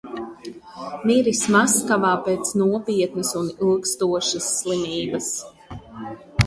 Miris Maskavā pēc nopietnas un ilgstošas slimības.